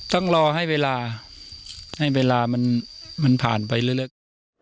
ต้องรอให้เวลาให้เวลามันผ่านไปลึก